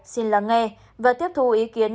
xin lắng nghe và tiếp thu ý kiến